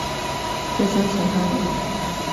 浙江钱塘人。